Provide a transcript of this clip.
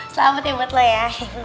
selamat ya buat lo ya